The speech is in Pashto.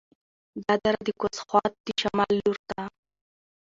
دا دره د کوز خوات د شمال لور ته